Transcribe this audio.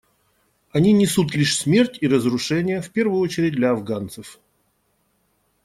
Они несут лишь смерть и разрушение, в первую очередь для афганцев.